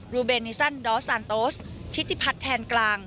ูเบนิสันดอสซานโตสชิติพัฒน์แทนกลาง